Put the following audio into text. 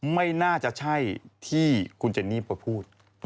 ไม่น่าจะใช่ที่คุณเจนนี่ไปพูด